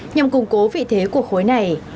nhằm củng cố vị thế của khối này